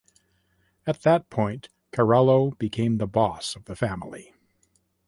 At that point Carollo became the boss of the family.